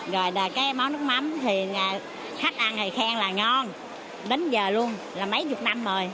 rồi là cái món nước mắm thì khách ăn thì khen là ngon đến giờ luôn là mấy chục năm rồi